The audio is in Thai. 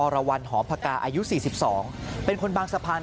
รอแป๊บ